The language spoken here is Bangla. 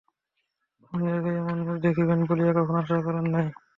এমন জায়গায় এমন মুখ দেখিবেন বলিয়া কখনো আশা করেন নাই।